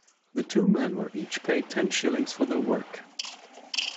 The two men were each paid ten shillings for their work.